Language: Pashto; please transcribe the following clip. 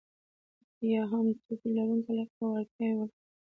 یا هم توپير لرونکې علاقه او اړتياوې ولري.